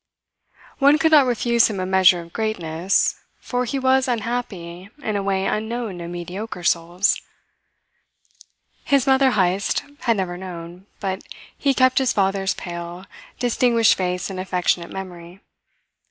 One could not refuse him a measure of greatness, for he was unhappy in a way unknown to mediocre souls. His mother Heyst had never known, but he kept his father's pale, distinguished face in affectionate memory.